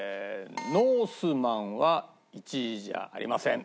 ノースマンは１位じゃありません。